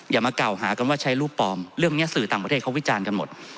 อย่ามากล่าวหากันว่าใช้รูปปลอมเรื่องนี้สื่อต่างประเทศเขาวิจารณ์กันหมด